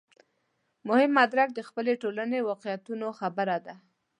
مهم مدرک د خپلې ټولنې واقعیتونو خبره ده.